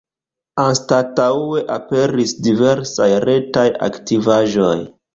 Anstataŭe aperis diversaj retaj aktivaĵoj.